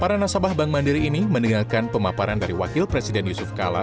para nasabah bank mandiri ini mendengarkan pemaparan dari wakil presiden yusuf kala